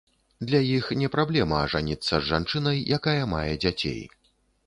Для іх не праблема ажаніцца з жанчынай, якая мае дзяцей.